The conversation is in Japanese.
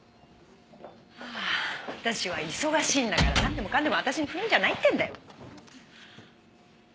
はあ私は忙しいんだからなんでもかんでも私に振るんじゃないってんだよ！